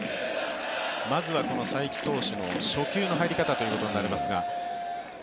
まずは才木投手の初球の入り方となりますが。